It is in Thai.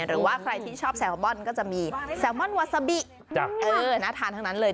หรือว่าใครที่ชอบแซลมอนก็จะมีแซลมอนวาซาบิน่าทานทั้งนั้นเลย